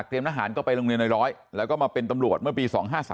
ทหารก็ไปโรงเรียนในร้อยแล้วก็มาเป็นตำรวจเมื่อปี๒๕๓